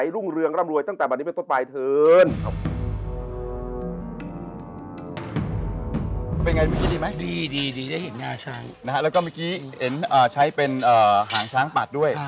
แล้วก็เมื่อกี้เห็นใช้เป็นหางช้างปัดด้วย